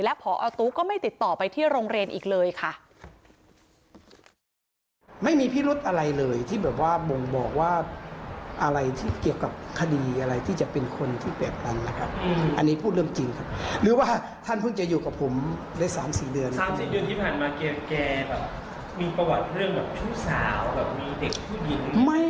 พอตู้ก็ไม่ติดต่อไปที่โรงเรียนอีกเลยค่ะ